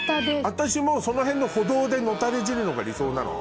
私もその辺の歩道で野垂れ死ぬのが理想なの。